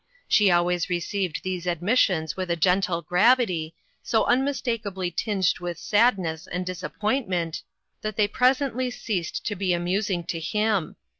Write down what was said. She al ways received these admissions with a gentle gravity, so unmistakably tinged with sadness and disappointment, that they presently ceased to be amusing to him.